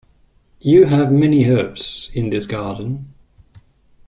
You have many herbs in this garden.